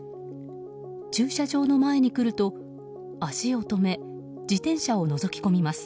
駐車場の前に来ると、足を止め自転車をのぞき込みます。